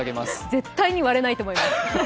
絶対に割れないと思います。